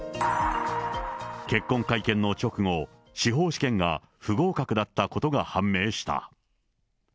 結婚会見の直後、司法試験が不合格だったことが判明した。